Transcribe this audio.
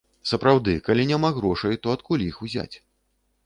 Сапраўды, калі няма грошай, то адкуль іх узяць.